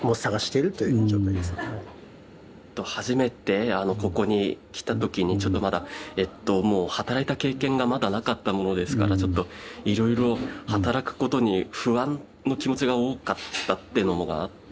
初めてここに来た時にちょっとまだえっと働いた経験がまだなかったものですからちょっといろいろ働くことに不安の気持ちが多かったっていうのがあって。